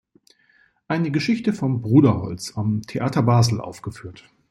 Eine Geschichte vom Bruderholz" am Theater Basel aufgeführt.